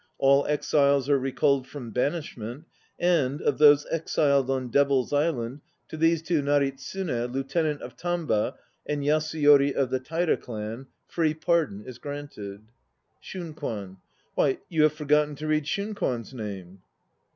All exiles are recalled from banishment, and, of those exiled on Devil's Island, to these two Naritsune, Lieutenant of Tamba and Yasuyori of the Taira clan, free pardon is granted," SHUNKWAN. Why, you have forgotten to read Shunkwan's name!